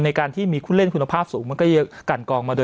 ในการมีเล่นคุณภาพสูงมันก็เยอะกันกอง